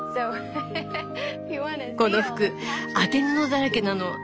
この服当て布だらけなの。